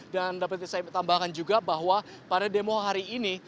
dan dapat saya tambahkan juga bahwa pada demo hari ini